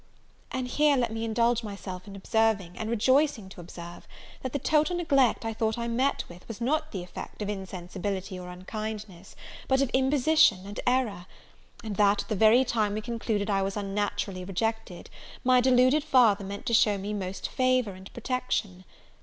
And here let me indulge myself in observing, and rejoicing to observe, that the total neglect I thought I met with was not the effect of insensibility or unkindness, but of imposition and error; and that, at the very time we concluded I was unnaturally rejected, my deluded father meant to show me most favour and protection.